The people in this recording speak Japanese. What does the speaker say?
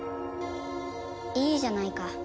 いいじゃないか。